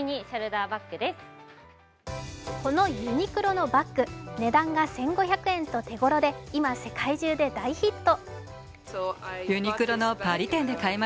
このユニクロのバッグ、値段が１５００円と手ごろで今、世界中で大ヒット。